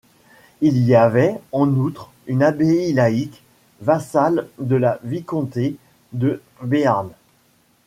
Il y avait, en outre, une abbaye laïque, vassale de la vicomté de Béarn.